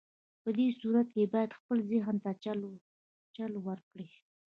په دې صورت کې بايد خپل ذهن ته چل ورکړئ.